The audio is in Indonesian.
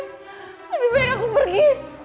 lebih baik aku pergi